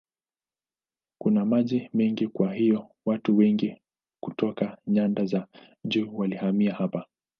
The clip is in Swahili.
Kuna maji mengi kwa hiyo watu wengi kutoka nyanda za juu walihamia hapa.